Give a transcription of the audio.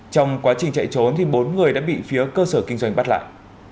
trong quá trình chạy trốn bốn người đã bị phía cơ sở kinh doanh bắt lại